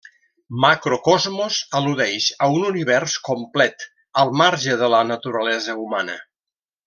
Macrocosmos al·ludeix a un univers complet, al marge de la naturalesa humana.